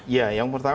ya yang pertama